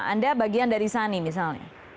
anda bagian dari sani misalnya